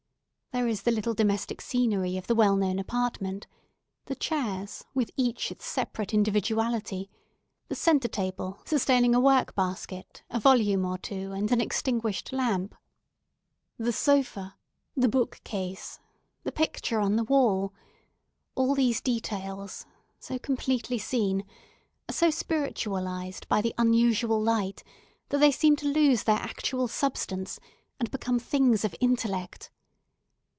There is the little domestic scenery of the well known apartment; the chairs, with each its separate individuality; the centre table, sustaining a work basket, a volume or two, and an extinguished lamp; the sofa; the book case; the picture on the wall—all these details, so completely seen, are so spiritualised by the unusual light, that they seem to lose their actual substance, and become things of intellect.